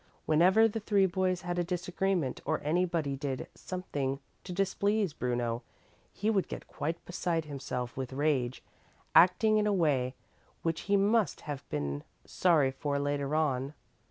Whenever the three boys had a disagreement or anybody did something to displease Bruno, he would get quite beside himself with rage, acting in a way which he must have been sorry for later on.